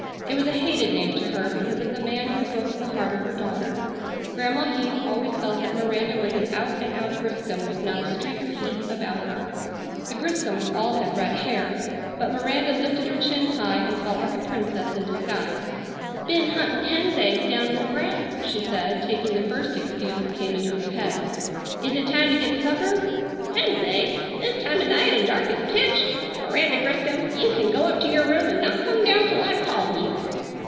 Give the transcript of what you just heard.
It was a hated name to her because of the man who had broken the heart of her daughter. Grandma Heath always felt that Miranda was an out and out Griscom with not a streak of Heath about her. The Griscoms all had red hair. But Miranda lifted her chin high and felt like a princess in disguise. "Ben huntin' hen's eggs down in the grass," she said, taking the first excuse that came into her head. "Is it time to get supper?" "Hen's eggs! This time o' night an' dark as pitch. Miranda Griscom, you ken go up to your room an' not come down tell I call you!"